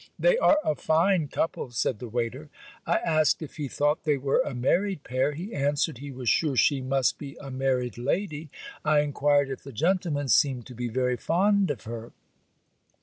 'They are a fine couple,' said the waiter. I asked if he thought they were a married pair. He answered, he was sure she must be a married lady. I enquired if the gentleman seemed to be very fond of her.